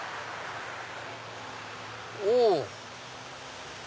お！